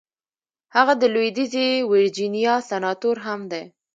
هغه د لويديځې ويرجينيا سناتور هم دی.